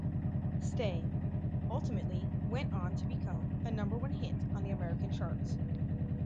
"Stay" ultimately went on to become a number one hit on the American charts.